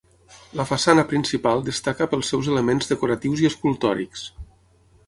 La façana principal destaca pels seus elements decoratius i escultòrics.